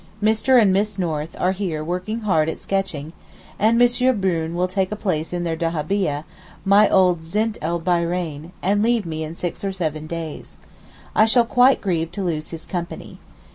Mr. and Miss North are here working hard at sketching, and M. Brune will take a place in their Dahabieh (my old Zint el Bahreyn), and leave me in six or seven days. I shall quite grieve to lose his company.